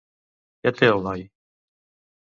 Què té el noi?